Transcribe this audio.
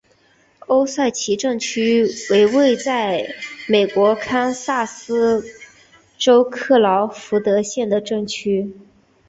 欧塞奇镇区为位在美国堪萨斯州克劳福德县的镇区。